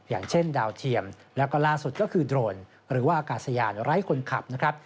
อย่างเช่นดาวเทียมแล้วก็ล่าสุดก็คือโดรนหรือว่าอากาศยานไร้คนขับนะครับ